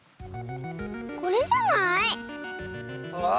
これじゃない？わあ！